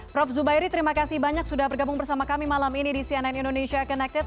prof zubairi terima kasih banyak sudah bergabung bersama kami malam ini di cnn indonesia connected